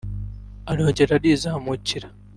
arongera arizamukira